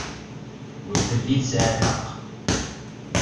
Ur telli tesɛa lḥeqq.